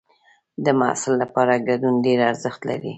د محصل لپاره ګډون ډېر ارزښت لري.